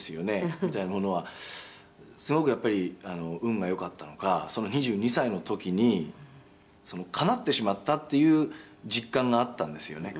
みたいなものはすごくやっぱり運が良かったのか２２歳の時にかなってしまったっていう実感があったんですよね」